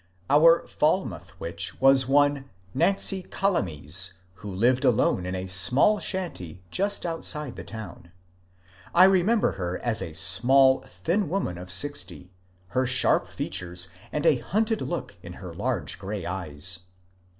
Our Falmouth witch was one Nancy Calamese, who lived alone in a small shanty just outside the town. I remember her as a small, thin woman of sixty, with sharp features and a hunted look in her large grey eyes.